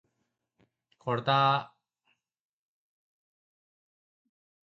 Back in Atlanta he continued his philanthropy work.